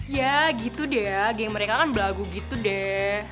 ya gitu deh geng mereka kan belagu gitu deh